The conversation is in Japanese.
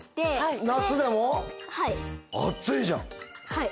はい。